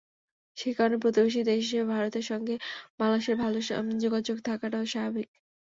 সেই কারণে প্রতিবেশী দেশ হিসেবে ভারতের সঙ্গে বাংলাদেশের ভালো যোগাযোগ থাকাটাও স্বাভাবিক।